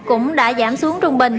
cũng đã giảm xuống trung bình